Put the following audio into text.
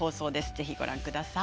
ぜひご覧ください。